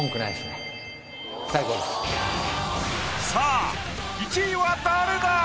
さぁ１位は誰だ？